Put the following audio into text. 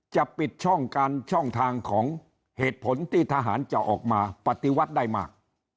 จะปิดช่องการช่องทางของเหตุผลที่ทหารจะออกมาปฏิวัติได้มาก